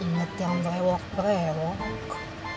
ingat yang rewok rewok